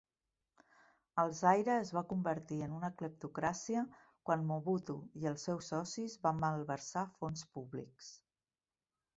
El Zaire es va convertir en una cleptocràcia quan Mobutu i els seus socis van malversar fons públics.